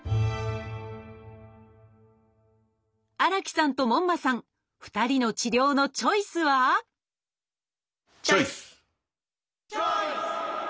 荒木さんと門馬さん２人の治療のチョイスはチョイス！